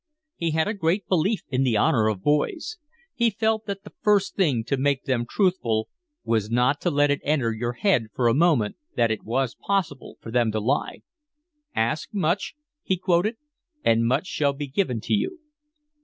He had a great belief in the honour of boys; he felt that the first thing to make them truthful was not to let it enter your head for a moment that it was possible for them to lie. "Ask much," he quoted, "and much shall be given to you."